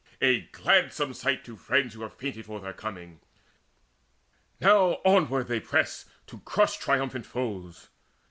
A gladsome sight To friends who have fainted for their coming, now Onward they press to crush triumphant foes.